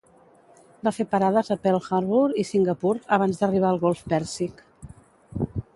Va fer parades a Pearl Harbor i Singapur abans d'arribar al Golf Pèrsic.